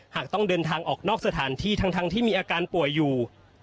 หากต้องเดินทางออกนอกสถานที่ทั้งที่มีอาการป่วยอยู่